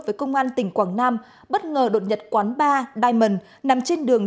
với công an tỉnh quảng nam bất ngờ đột nhật quán ba diamond nằm trên đường